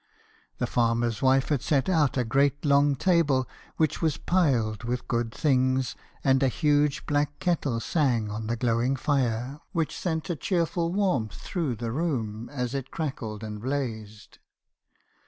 The farmer's wife had set out a great long table , which was piled with good things; and a huge black kettle sang on the glowing fire, which sent a cheerful warmth through the room as it crackled and blazed.